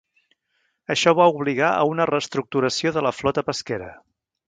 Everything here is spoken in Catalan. Això va obligar a una reestructuració de la flota pesquera.